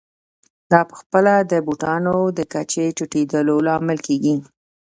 دا په خپله د بوټانو د کچې ټیټېدو لامل کېږي